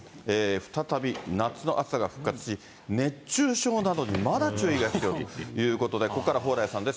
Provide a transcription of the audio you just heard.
再び夏の暑さが復活し、熱中症などにまだ注意が必要ということで、ここから蓬莱さんです。